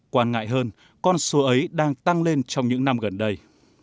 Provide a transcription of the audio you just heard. quan ngại hơn con số ấy đang tăng lên trong những năm gần đây